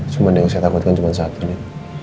cuma yang saya takutkan cuma satu ya